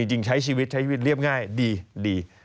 จริงใช้ชีวิตใช้ชีวิตเรียบง่ายดี